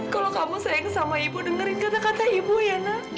kalau kamu sayang sama ibu dengerin kata kata ibu yana